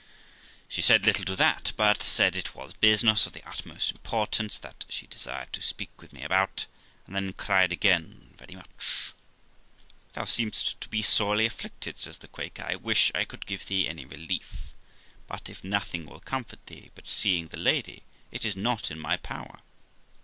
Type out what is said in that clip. She said li ttle to that, but said it was business of the utmost importance that she desired to speak with me about, and then cried again very much. 'Thou seem'st to be sorely afflicted', says the Quaker; 'I wish I could give thee any relief; but if nothing will comfort thee but seeing the Lady , it is not in my power.'